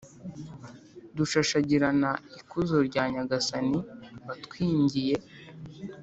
“dushashagirana ikuzo rya nyagasani, watwingiye